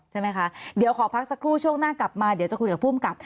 ใช่ไหมคะเดี๋ยวขอพักสักครู่ช่วงหน้ากลับมาเดี๋ยวจะคุยกับภูมิกับ